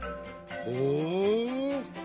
ほう。